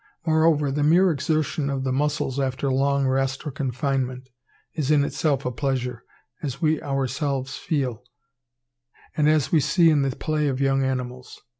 Moreover, the mere exertion of the muscles after long rest or confinement is in itself a pleasure, as we ourselves feel, and as we see in the play of young animals.